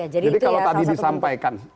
jadi kalau tadi disampaikan